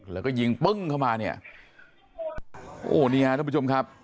แล้วก็ยิงปึ้งเข้ามาเนี่ยโอ้โหนี่ฮะทุกผู้ชมครับ